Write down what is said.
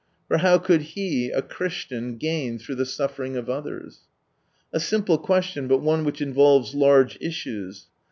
For how could he, a Christian, gain through the suffering of others ? A simple question, but one which involves large issues.